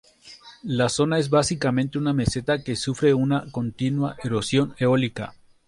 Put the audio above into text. La zona es básicamente una meseta que sufre una continua erosión eólica.